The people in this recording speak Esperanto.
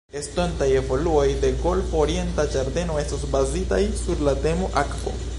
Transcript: Estontaj evoluoj de Golfo Orienta Ĝardeno estos bazitaj sur la temo 'akvo'.